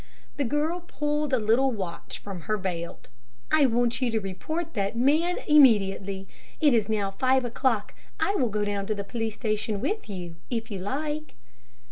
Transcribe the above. The girl pulled a little watch from her belt. "I want you to report that man immediately. It is now five o'clock. I will go down to the police station with you, if you like."